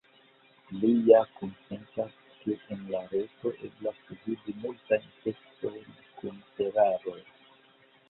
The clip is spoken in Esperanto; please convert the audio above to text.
Li ja konsentas, ke en la reto eblas vidi multajn tekstojn kun eraroj.